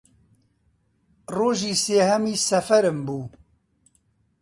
ڕۆژی سێهەمی سەفەرم بوو